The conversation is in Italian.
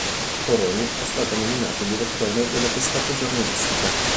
Foroni è stato nominato direttore della testata giornalistica.